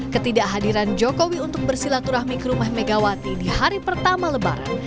ketidakhadiran jokowi untuk bersilaturahmi ke rumah megawati di hari pertama lebaran